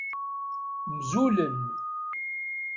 Mzulen.